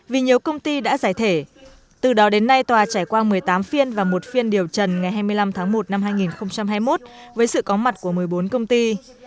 vì nhiều công ty đã giải thể từ đó đến nay tòa trải qua một mươi tám phiên và một phiên điều trần ngày hai mươi năm tháng một năm hai nghìn hai mươi một với sự có mặt của một mươi bốn công ty